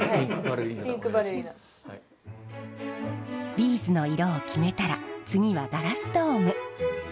ビーズの色を決めたら次はガラスドーム。